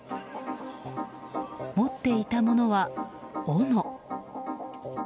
持っていたものは、おの。